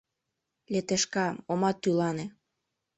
— Летешка, омат тӱлане!